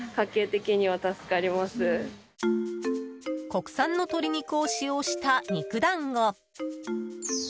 国産の鶏肉を使用した肉だんご。